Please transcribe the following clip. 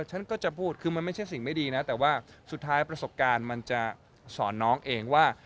ฉันก็จะพูดคือมันไม่ใช่สิ่งไม่ดีนะแต่ว่าสุดท้ายประสบการณ์มันจะสอนน้องเองว่า